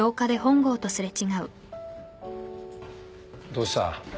・どうした？